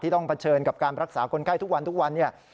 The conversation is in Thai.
ที่ต้องเผชิญกับการรักษาคนไข้ทุกวันเนี่ย